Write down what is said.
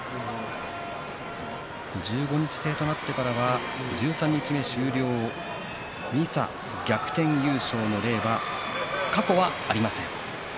１５日制となってからは十三日目終了、２差逆転優勝の例は過去はありません。